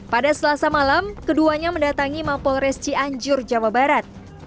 pada selasa malam keduanya mendatangi mapol resci anjur jawa barat